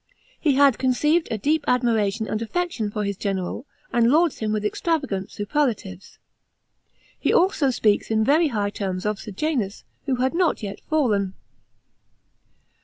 He had conceived a deep admiration and affection for his general, and lauds him with extravagant superlatives. He also speaks in very high terms of Sejan"S, who had not yet fallen.